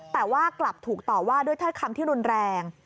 แต่ว่ากลับถูกต่อว่าด้วยถ้อยคำที่รุนแรง